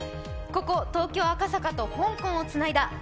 東京・赤坂と香港をつないだ